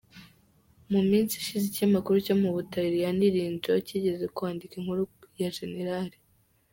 Mu minsi ishize ikinyamakuru cyo mu Butaliyani, Lindro, cyigeze kwandika inkuru ya Gen.